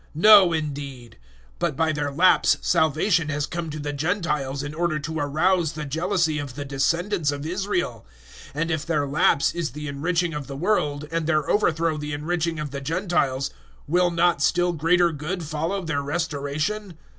No, indeed; but by their lapse salvation has come to the Gentiles in order to arouse the jealousy of the descendants of Israel; 011:012 and if their lapse is the enriching of the world, and their overthrow the enriching of the Gentiles, will not still greater good follow their restoration?